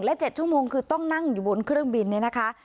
และ๗ชั่วโมงคือต้องนั่งอยู่บนเครื่องบินเนี่ยนะคะ